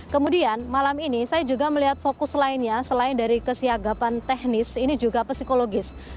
kemudian malam ini saya juga melihat fokus lainnya selain dari kesiagapan teknis ini juga psikologis